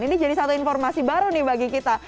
ini jadi satu informasi baru nih bagi kita